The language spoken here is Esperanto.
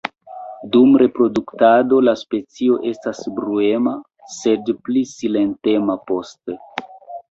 Dum reproduktado la specio estas bruema, sed pli silentema poste.